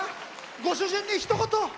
ご主人にひと言。